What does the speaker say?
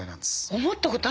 思ったことあるんです。